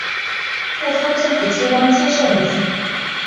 部分政府机关皆设于此。